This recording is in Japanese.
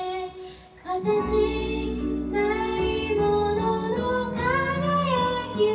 「形ないものの輝きを」